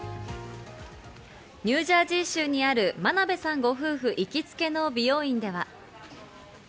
ニュージャージー州にある真鍋さんご夫婦行きつけの美容院では。